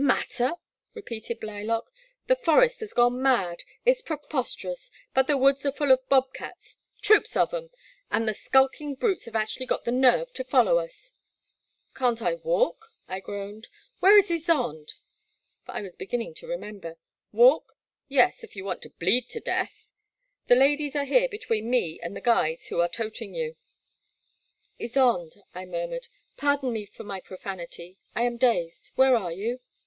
*' Matter !" repeated Blylock, *' the forest has gone mad — ^it 's preposterous, but the woods are full of bob cats, troops of 'em, and the skulking brutes have actually got the nerve to follow us." '* Can't I walk?" I groaned. Where is Ysonde ?"— for I was beginning to remember. Walk ?— ^yes, if you want to bleed to death — 187 i88 The Black Water. the ladies are here between me and the guides who are toting you.*' Ysonde," I murmured, pardon me for my profanity — I am dazed — ^where are you